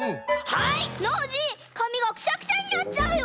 ノージーかみがクシャクシャになっちゃうよ！